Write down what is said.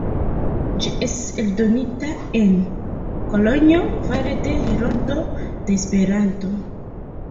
Ĝi estas eldonita en Kolonjo fare de Heroldo de Esperanto.